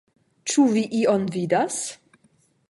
Ĉu vi ion vidas?